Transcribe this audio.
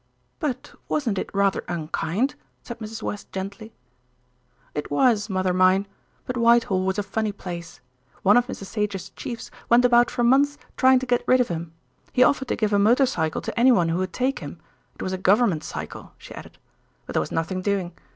"But wasn't it rather unkind?" said Mrs. West gently. "It was, mother mine; but Whitehall was a funny place. One of Mr. Sage's chiefs went about for months trying to get rid of him. He offered to give a motor cycle to anyone who would take him, it was a Government cycle," she added; "but there was nothing doing.